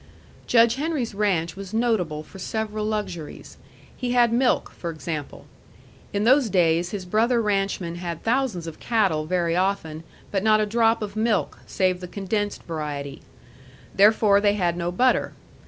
Judge Henry's ranch was notable for several luxuries. He had milk, for example. In those days his brother ranchmen had thousands of cattle very often, but not a drop of milk, save the condensed variety. Therefore they had no butter.